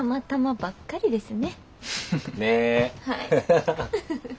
ハハハハハ。